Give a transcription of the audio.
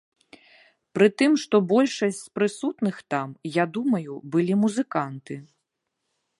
Пры тым, што большасць з прысутных там, я думаю, былі музыканты.